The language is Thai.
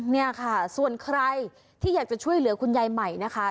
เนี่ยค่ะส่วนใครที่อยากจะช่วยเหลือคุณยายใหม่นะคะ